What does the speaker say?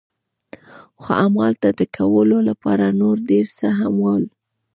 خو همالته د کولو لپاره نور ډېر څه هم ول.